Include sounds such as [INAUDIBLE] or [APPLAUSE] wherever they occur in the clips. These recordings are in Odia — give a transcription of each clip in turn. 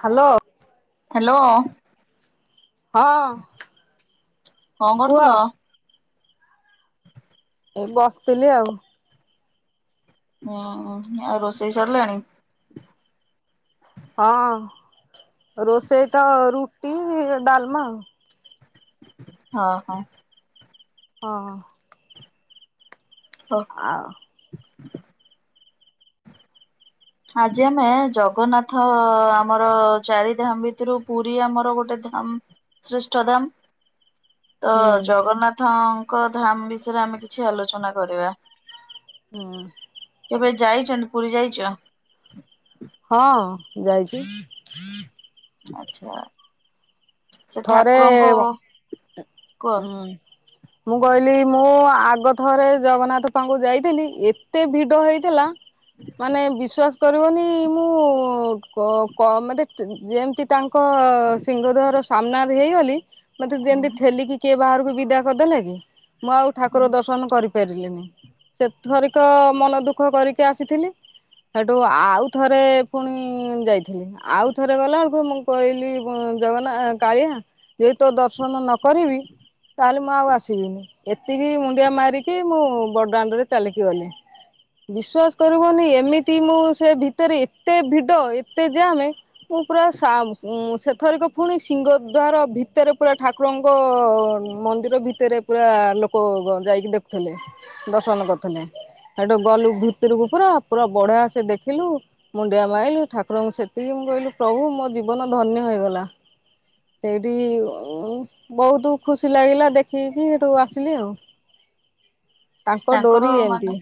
ହ୍ୟାଲୋ। ହ୍ୟାଲୋ। ହଁ କଣ କୁଅ। କରୁଥିଲ? ଏଇ ବସିଥିଲି ଆଉ। ହୁଁ ହଁ ଆଉ ରୋଷେଇ ସରିଲାଣି? ହଁ ରୋଷେଇତ ରୁଟି ଡାଲମା। ହଁ ହଁ। ହଁ। ହଉ। ଆ ଓ। ଆଜି ଆମେ ଜଗନ୍ନାଥ ଆମର ଚାରିଧାମ୍ ଭିତରୁ ପୁରୀ ଆମର ଗୋଟେ ଧାମ୍। ସୃଷ୍ଠଦାମ୍। ତ ହୁଁ ଜଗନ୍ନାଥାଙ୍କ ଧାମ୍ ବିଷୟରେ ଆମେ କିଛି ଆଲୋଚନା କରିଆ। ଉଁ। କେବେ ଯାଇଚନ୍ତ ପୁରୀ ଯାଇଚ଼? ହଁ ଯାଇଚି। ଆଚ୍ଛା। ସେ ଥରେ ଠାକୁରଙ୍କ ବ କୁହ ଅଁ ମୁଁ କହିଲି ମୁଁ ଆଗ ଥରେ ଜଗନ୍ନାଥ ପାଙ୍କୁ ଯାଇଥିଲି ଏତେ ଭିଡ଼ ହେଇଥିଲା। ମାନେ ବିଶ୍ୱା ସ୍ କରିବନି ମୁଁ କ କ ମେତେ ଯେମତି ତାଙ୍କ୍ ଙ୍କ ସିଂଘ ଦ୍ଵାର ସାମ୍ନା ରେ ହେଇଗଲି ମତେ ହୁଁ ଯେମିତି ଠେଲିକି କିଏ ବାହାରକୁ ବିଦା କରିଦେଲା କି ମୁଁ ଆଉ ହୁଁ ଠାକୁର ଦର୍ଶନ କରି ପାରିଲିନି ସେ ଥରିକ ମନ ଦୁଃଖ କରିକି ଆସିଥିଲି। ହେଠୁ ଆଉ ଥରେ ପୁଣି ଯାଇଥିଲି ଆଉ ଥରେ ଗଲା ଏଳକୁ ମୁଁ ପଇଲି ଭ ଜଗନ୍ନା କାଳିଆ ଯଇ ତୋ ଦର୍ଶନ ନ କରିବି ତା ଲେ ମୁଁ ଆଉ ଆସିବିନି। ଏତିକି ମୁଣ୍ଡିଆ ମାରିକି ମୁଁ ବଡାଣ୍ଡରେ ଚାଲିକି ଗଲି। ବିଶ୍ୱାସ୍ କରିବନି ଏମିତି ମୁଁ ସେ ଭିତରେ ଏତେ ଭିଡ ଏତେ ଯାମେ ମୁଁ ପୁରା ସା ଉଁ ସେଥରିକ ଫୁଣି ସ୍ ସିଂଘଦ୍ୱାର ଭିତରେ ପୁରା ଠାକୁରଙ୍କ ମନ୍ଦିର ଭିତରେ ପୁରା ଲୋକ ଯାଇକି ଦେ ଥିଲେ, ଦର୍ଶନ କରୁଥିଲେ। ହେଠୁ ଗଲୁ ଭିତୁରୁକୁ ପୁରା, ପୁରା ବଢିଆ ସେ ଦେଖିଲୁ। ମୁଣ୍ଡିଆ ମାଇଲୁ ଠାକୁରଙ୍କୁ ସେତିକି ମୁଁ କହିଲି ପ୍ରଭୁ ମୋ ଜୀବନ ଧନ୍ୟ ହେଇଗଲା। ସେଇଠି ଉଁ ବହୁତୁ ଖୁସି ଲାଗିଲା ଦେଖିକି ହେଟୁ ଆସିଲି ଆଉ। ତାଙ୍କ ତାଙ୍କର ଡୋରି ଏମିତି ମାନେ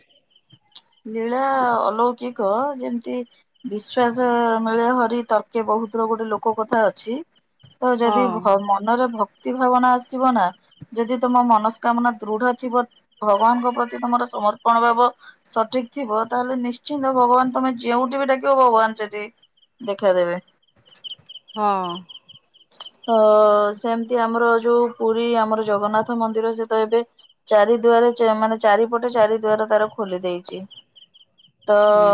ଲୀଳା ଅଲୌକିକ ଯେମିତି ବିଶ୍ଵାସ ମିଳେ ହରି ତର୍କେ ବହୁତୁ ର ଗୋଟେ ଲୋକ କଥା ଅଛି। ତ ହଁ ଯଦି ଭ ମ ମନରେ ଭକ୍ତି ଭାବନା ଆସିବ ନା ଯଦି ତମ ମନସ୍କାମନା ଦୃଢ ଥିବ ଭଗବାନ୍ ପ୍ରତି ତମର ସମର୍ ପଣ ଭାବ ସଠିକ୍ ଥିବ ତାହେଲେ ନିଶ୍ଚିନ୍ତ ଭଗବାନ ତମେ ଯେଉଁଠି ବି ଡାକିବ ଭଗବାନ୍ ସେଠି ଦେଖା ଦେବେ। ହଁ। ତ ସେମିତି ଆମର ଯୋଉ ପୁରୀ ଆମର ଜଗନ୍ନାଥ ମନ୍ଦିର ସେ ତ ଏବେ ଚାରି ଦ୍ଵାର ଚା ମାନେ ଚାରିପଟେ ଚାରି ଦୁଆର ତାର ଖୋଲି ଦେଇଚି। ତ ହୁଁ।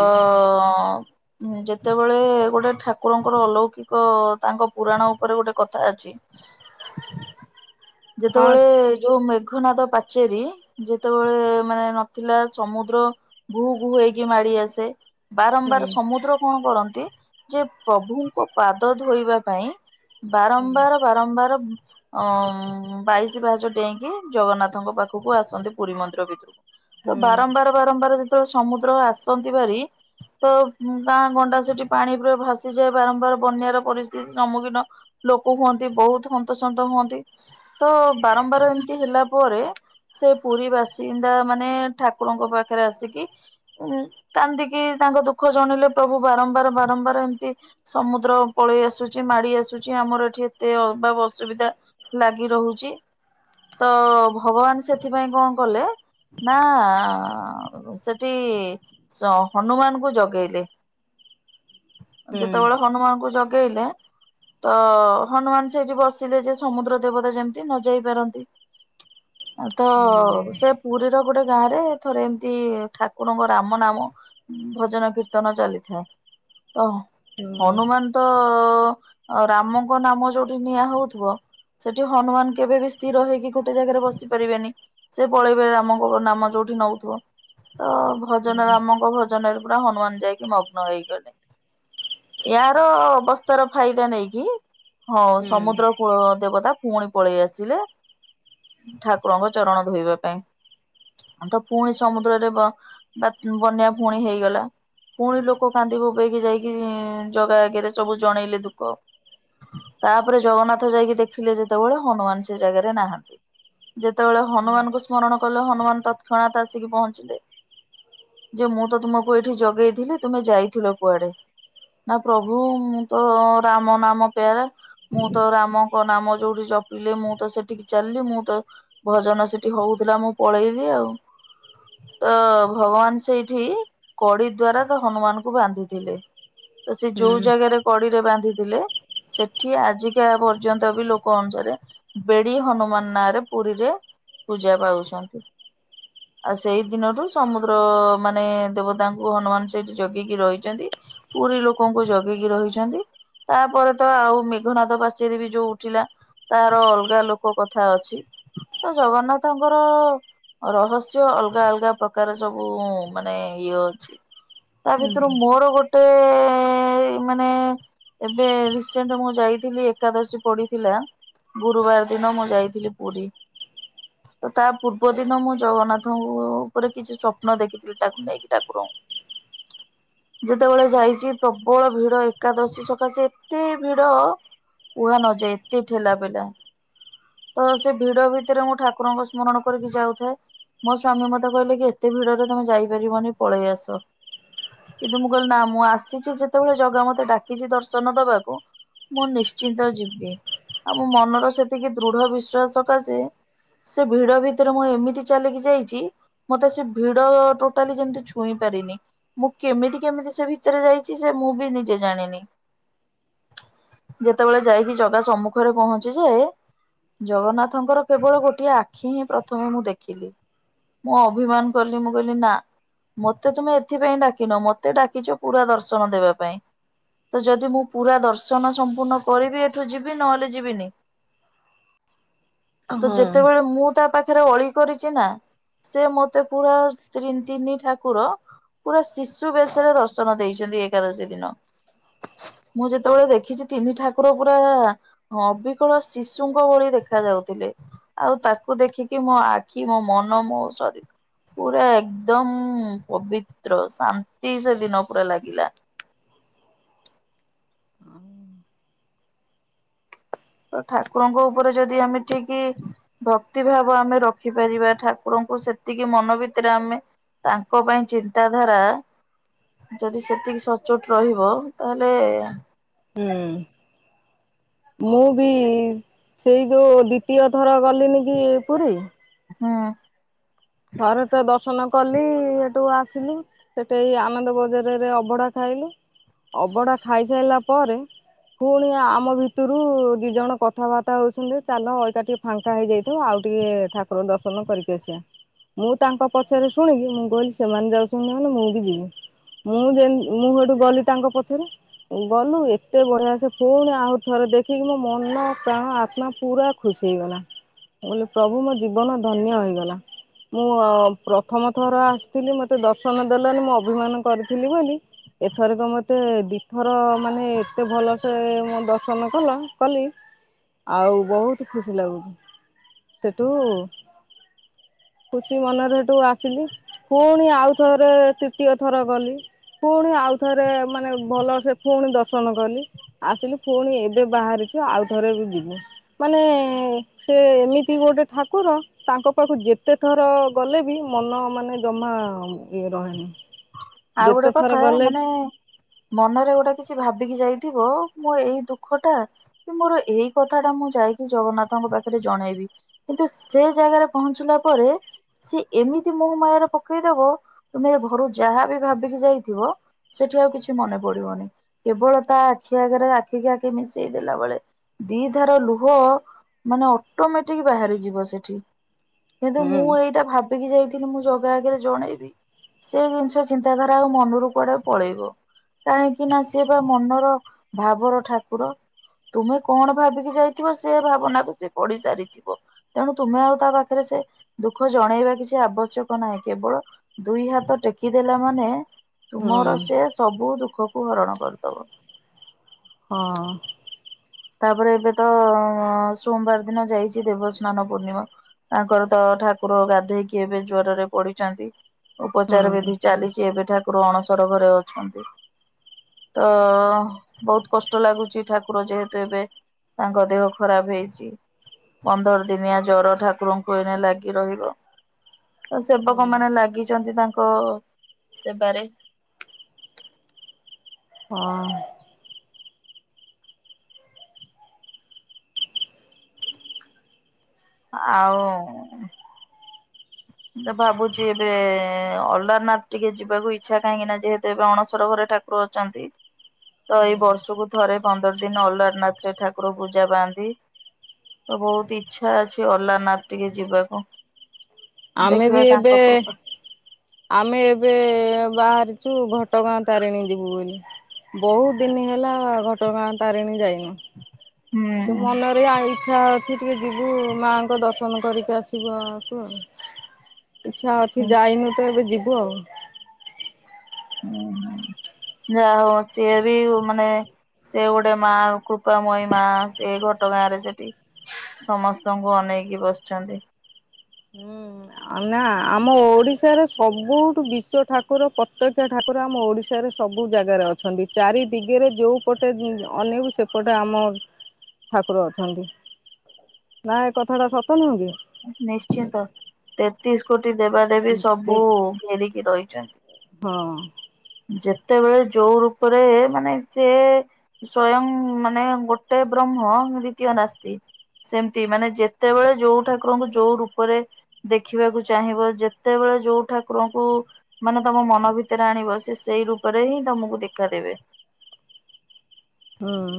ଅଁ। ହୁଁ ଯେତେବେଳେ ଗୋଟେ ଠାକୁରଙ୍କର ଅଲୌକିକ ତାଙ୍କ ପୁରାଣ ଉପରେ ଗୋଟେ କଥା ଅଚି। ମୁଁ ଯେତେବେଳେ ବି ଯୋଉ ମେଘନାଦ ପାଚେରୀ ଯେତେବେଳେ ମାନେ ନଥିଲା ସମୁଦ୍ର ଘୁ ଘୁ ହେଇକି ମାଡି ଆସେ। ବାରମ୍ବାର ସମୁଦ୍ର କଣ କରନ୍ତି ଯେ ପ୍ରଭୁଙ୍କ ପାଦ ଧୋଇବା ପାଇଁ ବାରମ୍ବାର ବାରମ୍ବାର ଅଁ ଉଁ ବାଇଶି ପାହାଚ଼ ଡେଇଁକି ଜଗନ୍ନାଥଙ୍କ ପାଖକୁ ଆସନ୍ତି ପୁରୀ ମନ୍ଦିର ଭିତୁରୁକୁ ତ ବାରମ୍ବାର ବାରମ୍ବାର ଯେତେବେଳେ ସମୁଦ୍ର ଆସନ୍ତି ବାରି ତ ଉଁ ଗାଁ ଗଣ୍ଡା ସେଠି ପାଣି ପୁରା ଭାସିଯାଏ ବାରମ୍ବାର ବନ୍ୟାର ପରିସ୍ତିତି ସମ୍ମୁଖୀନ ଲୋକ କୁହନ୍ତି ବହୁତ୍ ହନ୍ତସନ୍ତ ହୁଅନ୍ତି ତ ବାରମ୍ବାର ଏମିତି ହେଲା ପରେ ସେ ପୁରୀ ବାସିନ୍ଦା ମାନେ ଠାକୁରଙ୍କ ପାଖରେ ଆସିକି। ଉଁ କାନ୍ଦୀକିି ତାଙ୍କ ଦୁଃଖ ଜଣେଇଲେ ପ୍ରଭୁ ବାରମ୍ବାର ବାରମ୍ବାର ଏମତି ସମୁଦ୍ର ପଳେଇ ଆସୁଛି ମାଡି ଆସୁଛି ଆମର ଏଠି ଏତେ ଅଭାବ ଅସୁବିଧା। [UNINTELLIGIBLE] ହଉଛି। ତ ଭଗବାନ ସେଥିପାଇଁ କଣ କଲେ ନା ସେଠି ହନୁମାନଙ୍କୁ ଜଗେଇଲେ। ଯେତେବେଳେ ହନୁମାନଙ୍କୁ ଜଗେଇଲେ ତ ହନୁମାନ ସେଇଠି ବସିଲେ ଯେ ସମୁଦ୍ର ଦେବତା ଯେମିତି ନ ଯାଇ ପାରନ୍ତି। ତ ସେ ପୁରୀ ର ଗୋଟେ ଗାଁରେ ଥରେ ଏମତି ଠାକୁରଙ୍କ ରାମ ନାମ ଭଜନ କୀର୍ତ୍ତନ ଚାଲିଥାଏ ତ ହନୁମାନ ତ ରାମଙ୍କ ନାମ ଯୋଉଠି ନିଆଁ ହଉଥିବ ସେଠି ହନୁମାନ କେବେ ବି ସ୍ଥିର ହେଇକି ଗୋଟେ ଜାଗାରେ ବସି ପାରିବେନି। ସେ ପଳେଇବେ ରାମଙ୍କ ନାମ ଯୋଉଠି ନଉଥିବ। ତ ଭଜନ ରାମଙ୍କ ଭଜନରେ ପୁରା ହନୁମାନ ଯାଇକି ମଗ୍ନ ହେଇଗଲେ। ଏହାର ବସ୍ତର ଫାଇଦା ନେଇକି ହଁ ସମୁଦ୍ର କୂଳ ଦେବତା ପୁଣି ପଳେଇ ଆସିଲେ ଠାକୁରଙ୍କ ଚରଣ ଧୋଇବା ପାଇଁ। ତ ପୁଣି ସମୁଦ୍ରରେ ବାତ୍ ବନ୍ୟା ପୁଣି ହେଇଗଲା। ପୁଣି ଲୋକ କାନ୍ଦି ବୁବେଇକି ଯାଇକି ଇ ଜଗା ଆଗରେ ସବୁ ଜଣେଇଲେ ଦୁଃଖ। ତାପରେ ଜଗନ୍ନାଥ ଯାଇକି ଦେଖିଲେ ଯେତେବେଳେ ହନୁମାନ ସେ ଜାଗାରେ ନାହାନ୍ତି। ଯେତେବେଳେ ହନୁମାନଙ୍କୁ ସ୍ମରଣ କଲେ ହନୁମାନ ତତ୍‌କ୍ଷଣାତ୍‌ ଆସିକି ପହଞ୍ଚିଲେ। ଯେ ମୁଁ ତ ତୁମକୁ ଏଇଠି ଜଗେଇଥିଲି ତୁମେ ଯାଇଥିଲ କୁଆଡେ? ନା ପ୍ରଭୁ ମୁଁ ତ ରାମ ନାମ ପ୍ୟାରେ ମୁଁ ତ ରାମ ଙ୍କ ନାମ ଯୋଉଠି ଜପିଲେ ମୁଁ ତ ସେଠିକି ଚାଲିଯିବି ମୁଁ ତ ଭଜନ ସେଠି ହଉଥିଲା ମୁଁ ପଳେଇଲି ଆଉ। ତ ଭଗବାନ ସେଠି କଡି ଦ୍ଵାରା ତ ହନୁମାନଙ୍କୁ ବାନ୍ଧିଥିଲେ। ତ ସେ ଯୋଉ ଜାଗାରେ କଡିରେ ବାନ୍ଧିଥିଲେ ସେଠି ଆଜିକା ପର୍ଯ୍ ର୍ଯ୍ୟନ୍ତା ବି ଲୋକ ଅନୁସାରେ ବେଡି ହନୁମାନ ନାଁରେ ପୁରୀରେ ପୂଜା ପାଉଛନ୍। ଆଉ ସେଇ ଦିନଠୁ ସମୁଦ୍ର ମାନେ ଦେବତାଙ୍କୁ ହନୁମାନ ସେଠି ଜଗିକି ରହିଛନ୍ତି। ପୁରୀ ଲୋକଙ୍କୁ ଜଗେଇକି ରହିଛନ୍ତି ତାପରେ ତ ଆଉ ମେଘନାଦ ପା ଚେରୀ ବି ଯୋଉ ଉଠିଲା। ତାର ଅଲଗା ଲୋକ କଥା ଅଛି। ତ ଜଗନ୍ନାଥଙ୍କର। ରହସ୍ୟ ଅଲଗା ଅଲଗା ପ୍ରକାର ସବୁ ମାନେ ଇଏ ଅଛି। ତା ଭିତରୁ ମୋର ଗୋଟେ ଟେ ମାନେ ଏବେ ରିସେଣ୍ଟ୍ ମୁଁ ଯାଇଥିଲି ଏକାଦଶୀ ପଡିଥିଲା। ଗୁରୁବାର ଦିନ ମୁଁ ଯାଇଥିଲି ପୁରୀ। ତ ତା ପୂର୍ବ ଦିନ ମୁଁ ଜଗନ୍ନାଥଙ୍କୁ ଉପରେ କିଛି ସ୍ୱପ୍ନ ଦେଖିଥିଲି ତାକୁ ନେଇକି ଠାକୁରଙ୍କୁ। ଯେତେବେଳେ ଯାଇଛି ପ୍ରବଳ ଭିଡ ଏକାଦଶୀ ସକାଶେ ଏତେ ଭିଡ କୁହା ନଯାଏ ଏତେ ଠେଲା ପେଲା। ତ ସେ ଭିଡ ଭିତରେ ମୁଁ ଠାକୁରଙ୍କୁ ସ୍ମରଣ କରିକି ଯାଉଥାଏ। ମୋ ସ୍ଵାମୀ ମତେ କହିଲେ କି ଏତେ ଭିଡରେ ତମେ ଯାଇପାରିବନି ପଳେଇ ଆସ। କିନ୍ତୁ ମୁଁ କହିଲି ନା ମୁଁ ଆସିଛି ଯେତେବେଳେ ଜଗା ମତେ ଡାକିଛି ଦର୍ଶନ ଦବାକୁ ମୁଁ ନିଶ୍ଚିନ୍ତ ଯିବି। ଆଉ ମୋ ମନର ସେତିକି ଦୃଢ ବିଶ୍ଵାସ ସକାଶେ ସେ ଭିଡ ଭିତରେ ମୁଁ ଏମିତି ଚାଲିକି ଯାଇଛି। ମତେ ସେ ଭିଡ ଟୋଟାଲି ଯେମିତି ଛୁଇଁ ପାରିନି। ମୁଁ କେମିତି କେମିତି ସେ ଭିତରେ ଯାଇଚି ସେ ମୁଁ ବି ନିଜେ ଜାଣିନି। ଯେତେବେଳେ ଯାଇକି ଜଗା ସମ୍ମୁଖରେ ପହଞ୍ଚିଯାଏ। ଜଗନ୍ନାଥଙ୍କର କେବଳ ଗୋଟିଏ ଆଖି ହିଁ ପ୍ରଥମେ ମୁଁ ଦେଖିଲି। ମୁଁ ଅଭିମାନ କଲି ମୁଁ କହିଲି ନା ମତେ ତୁମେ ଏଥିପାଇଁ ଡାକିନ ମତେ ଡାକିଚ ପୁରା ଦର୍ଶନ ଦେବା ପାଇଁ। ତ ଯଦି ମୁଁ ପୁରା ଦର୍ଶନ ସ ପୂର୍ଣ୍ଣ କରିବି ଏଠୁ ଯିବି ନହେଲେ ଯିବିନି। ତ ଯେତେବେଳେ ମୁଁ ତା ପାଖରେ ଅଳି କରିଛି ନା ସେ ମତେ ପୁରା ତ୍ରିନି ତିନି ଠାକୁର ପୁରା ଶିଶୁ ବେଶରେ ଦର୍ଶନ ଦେଇଚନ୍ତି ଏକାଦଶୀ ଦିନ। ମୁଁ ଯେତେବେଳେ ଦେଖିଚି ତିନି ଠାକୁର ପୁରା ଅବିକଳ ଶିଶୁଙ୍କ ଭଳି ଦେଖା ଯାଉଥିଲେ। ଆଉ ତାକୁ ଦେଖିକି ମୋ ଆଖି ମୋ ମନ ମୋ ଶରୀ ପୁରା ଏକଦମ ପବିତ୍ର ଶାନ୍ତି ସେ ଦିନ ପୁରା ଲାଗିଲା। ତ ଠାକୁରଙ୍କ ଉପରେ ଯଦି ଆମେ ଠିକି ଭକ୍ତି ଭାବ ଆମେ ରଖିପାରିବା ଠାକୁରଙ୍କୁ ସେତିକି ମନ ଭିତରେ ଆମେ ତାଙ୍କ ପାଇଁ ଚିନ୍ତାଧାରା ଯଦି ସେତିକି ସଚୋଟ ରହିବ ତାହେଲେ ହ ମୁଁ ବି ସେଇ ଯଉ ଦ୍ଵିତୀୟ ଥର ଗଲିନି କି ପୁରୀ ହୁଁ। ଥରେ ତ ଦର୍ଶନ କଲି ହେଠୁ ଆସିଲି। ସେଠି ଆନନ୍ଦ ବଜାରରେ ଅବଢା ଖାଇଲୁ ଅବଢା ଖାଇସାରିଲା ପରେ ପୁଣି ଆମ ଭିତରୁ ଦି ଜଣ କଥାବାର୍ତ୍ତା ହଉଚନ୍ତି ଚାଲ ଏକାଠି ଫାଙ୍କା ହେଇଯାଇଥିବ ଆଉ ଟିକେ ଠାକୁର ଦର୍ଶନ କରିକି ଆସିବା। ମୁଁ ତାଙ୍କ ପଛରେ ଶୁଣିକି ମୁଁ କହିଲି ସେମାନେ ଯାଉଛନ୍ତି ମାନେ ମୁଁ ବି ଯିବି। ମୁଁ ଯେ ମୁଁ ହେଠୁ ଗଲି ତାଙ୍କ ପଛରେ ଗଲୁ ଏତେ ବଢିଆ ସେ ପୁଣି ଆହୁରି ଥରେ ଦେଖିକି ମୋ ମନ ପ୍ରାଣ ଆତ୍ମା ପୁରା ଖୁସି ହେଇଗଲା ମୁଁ କହିଲି ପ୍ରଭୁ ମୋ ଜୀବନ ଧନ୍ୟ ହୋଇଗଲା। ମୁଁ ପ୍ରଥମ ଥର ଆସିଥିଲି ମତେ ଦର୍ଶନ ଦେଲନି ମୁଁ ଅଭିମାନ କରିଥିଲି ବୋଲି ଏଥରକ ମତେ ଦିଇଥର ମାନେ ଏତେ ଭଲସେ ଦର୍ଶନ କଲ କଲି ଆଉ ବହୁତ ଖୁସି ଲାଗୁଚି ସେଠୁ ଖୁସି ମନରେ ହେଠୁ ଆସିଲି ପୁଣି ଆଉ ଥରେ ତୃତୀୟ ଥର ଗଲି ପୁଣି ଆଉଥରେ ମାନେ ଭଲ ସେ ପୁଣି ଦର୍ଶନ କଲି ଆସିଲି ପୁଣି ଏବେ ବାହାରିଚୁ ଆଉ ଥରେ ବି ଯିବୁ। ମାନେ ସେ ଏମିତି ଗୋଟେ ଠାକୁର ତାଙ୍କ ପାଖକୁ ଯେତ ଏତେ ଥର ଗଲେ ବି ମନ ମାନେ ଜମା ଇଏ ରହେନି ଆଉ ଗୋଟେ ଯେତେ ଥର କଥା ଗଲେ ମାନେ ମନରେ ଗୋଟେ କିଛି ଭାବିକି ଯାଇଥିବ ମୁଁ ଏଇ ଦୁଃଖଟା କି ମୋର ଏଇ କଥା ଟା ମୁଁ ଯାଇକି ଜଗନ୍ନାଥଙ୍କ ପାଖରେ ଜଣେଇବି କିନ୍ତୁ ସେ ଜାଗାରେ ପହଞ୍ଚିଲା ପରେ ସେ ଏମିତି ମୋହ ମାୟାରେ ପକେଇଦବ ତମେ ଘରୁ ଯାହା ବି ଭାବିକି ଯାଇଥିବ ସେଠି ଆଉ କିଛି ମନେ ପଡିବନି। କେବଳ ତା ଆଖି ଆଗରେ ଆଖିକ ଆଖି ମିଶେଇ ଦେଲା ବେଳେ ଦି ଧର ଲୁହ ମାନେ ଅଟୋମେଟିକି ବାହାରି ଯିବ ସେଠି। କିନ୍ତୁ ହୁଁ ମୁଁ ଏଇଟା ଭାବିକି ଯାଇଥିଲି ମୁଁ ଜଗା ଆଗେରେ ଜଣେଇବି। ତେ ଜିନିଷ ଚିନ୍ତାଧାରା ଆଉ ମନୁରୁ କୁଆଡେ ପଳେଇବ। କାହିଁକି ନା ସିଏ ପା ମନର ଭାବର ଠାକୁର। ତୁମେ କଣ ଭାବିକି ଯାଇଥିବ ସେ ଭାବନାକୁ ସିଏ ପଢି ସାରିଥିବ। ତେଣୁ ତୁମେ ଆଉ ତା ପାଖେରେ ସେ ଦୁଃଖ ଜଣେଇବା କିଛି ଆବଶ୍ୟକ ନାହିଁ କେବଳ ଦୁଇ ହାତ ଟେକି ଦେଲା ମାନେ ହୁଁ ତୁମର ସେ ସବୁ ଦୁଃଖକୁ ହରଣ କରିଦବ। ହଁ। ତାପରେ ଏବେ ତ ସୋଁବାର ଦିନ ଯାଇଛି ଦେବସ୍ନାନ ପୂର୍ଣ୍ଣିମା। ତାଙ୍କର ତ ଠାକୁର ଗାଧେଇକି ଏବେ ଜ୍ୱରରେ ପଡିଚନ୍ତି। ହଁ ଉପଚାର ବିଧି ଚାଲିଚି ଏବେ ଠାକୁର ଅଣସର ଘରେ ଅଛନ୍ତି। ତ ବୋହୁତ କଷ୍ଟ ଲାଗୁଚି ଠାକୁର ଯେହେ ତୁ ଏବେ ତାଙ୍କ ଦେହ ଖରାପ ହେଇଚି ପନ୍ଦର ଦିନିଆ ଜର ଠାକୁରଙ୍କୁ ଏଣେ ଲାଗି ରହିବ। ଆ ହଁ ସେବକମାନେ ଲାଗିଛନ୍ତି ତାଙ୍କ ସେବାରେ। ହଁ। ଆଉଁ ଉଁ ତ ଭାବୁଚି ଏବେ ଅଲାରନାଥ ଟିକେ ଯିବାକୁ ଇଚ୍ଛା କାହିଁକି ନା ଯେହେତୁ ଏବେ ଅଣସର ଘରେ ଠା କୁର ଅଚନ୍ତି ତ ଏଇ ବର୍ଷୁକୁ ଥରେ ପନ୍ଦର ଦିନ ଅଲାରନାଥରେ ଠାକୁର ପୂଜା ପାଆନ୍ତି। ତ ବୋହୁତ ଇଚ୍ଛା ଅଛି ଅଲାରନାଥ ଟିକେ ଯିବାକୁ। ଆମେ ଦେଖିବା ବି ଏବେ ତାଙ୍କ କୃପା ଆମେ ଏବେ ବାହାରିଛୁ ଘଟଗାଁ ତାରେଣୀ ଯିବୁ ବୋଲି। ବୋହୁତ ଦିନି ହେଲା ଘଟଗାଁ ତାରେଣୀ ଯାଇନୁ ହୁଁ କିନ୍ତୁ ମନେ ଏଇଆ ଇଚ୍ଛା ଅଛି ଟିକେ ଯିବୁ ମାଆଙ୍କ ଦର୍ଶନ କରିକି ଆସିବୁ ଆକୁ ଆଉ। ଇଚ୍ଛା ଅଛି ଯାଇନୁ ତ ଏବେ ଯିବୁ ଆଉ। ଉଁ ହୁଁ ଯା ହବ ସିଏ ବି ମାନେ ସେ ଗୋଟେ ମା କୃପାମୟୀ ମା ସେ ଘଟଗାଁରେ ସେଠି ସମସ୍ତଙ୍କୁ ଅନେଇକି ବସଛନ୍ତି। ହୁଁ। ଆଉ ନା ଆମ ଓଡିଶାରେ ସବୁଠୁ ବିଶ୍ୱ ଠାକୁର ପ୍ରତ୍ୟକ୍ଷ ଠାକୁର ଆମ ଓଡିଶାରେ ସବୁ ଜାଗାରେ ଅଛନ୍ତି ଚାରି ଦିଗେରେ ଯୋଉ ପଟେ ଉଁ ଅନେଇବୁ ସେପଟେ ଆମ ଠାକୁର ଅଛନ୍ତି ନା ଏ କଥା ଟା ସତ ନୁହଁ କି? ନିଶ୍ଚିନ୍ତ ତେତିଶ କୋଟି ଦେବାଦେବୀ କି? ସବୁ ଘେରିକି ରହିଚନ୍। ହଁ। ଯେତେବେଳେ ଯୋଉ ରୂପେରେ ମାନେ ସେ ସ୍ଵୟଂ ମାନେ ଗୋଟେ ବ୍ରହ୍ମ ଦ୍ଵିତୀୟ ନାସ୍ତି। ସେମତି ମାନେ ଯେତେବେଳେ ଯୋଉ ଠାକୁରଙ୍କୁ ଯୋଉ ରୂପରେ ଦେଖିବାକୁ ଚାହିଁବ ଯେତେବେଳେ ଯୋଉ ଠାକୁରଙ୍କୁ ମାନେ ତମ ମନ ଭିତେରେ ଆଣିବ ସେ ସେଇ ରୂପରେ ହିଁ ତମୁକୁ ଦେଖାଦେବେ। ହଁ।